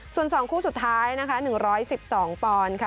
ส่วน๒คู่สุดท้ายนะคะ๑๑๒ปอนด์ค่ะ